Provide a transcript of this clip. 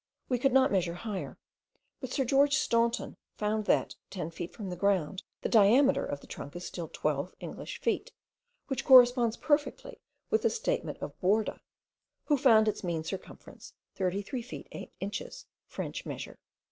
We could not measure higher, but Sir George Staunton found that, 10 feet from the ground, the diameter of the trunk is still 12 English feet; which corresponds perfectly with the statement of Borda, who found its mean circumference 33 feet 8 inches, French measure.